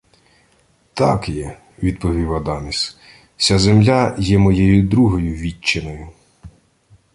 — Так є, — відповів Адаміс. — Ся земля є моєю другою вітчиною.